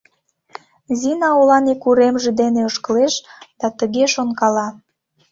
Зина олан ик уремже дене ошкылеш да тыге шонкала.